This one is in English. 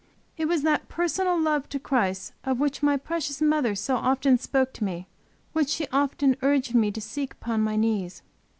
It was that personal love to Christ of which my precious mother so often spoke to me which she often urged me to seek upon my knees.